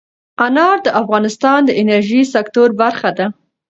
انار د افغانستان د انرژۍ سکتور برخه ده.